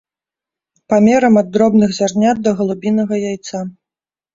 Памерам ад дробных зярнят да галубінага яйца.